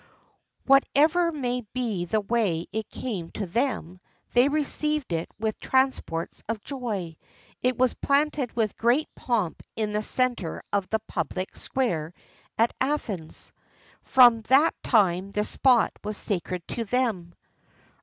[XIII 48] Whatever may be the way it came to them, they received it with transports of joy; it was planted with great pomp in the centre of the public square at Athens: from that time this spot was sacred to them.